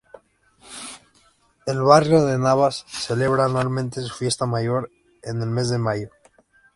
El barrio de Navas celebra anualmente su fiesta mayor en el mes de mayo.